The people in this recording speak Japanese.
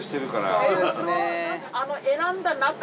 そうですね。